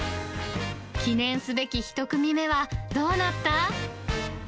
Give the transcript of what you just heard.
記念すべき１組目はどうなった？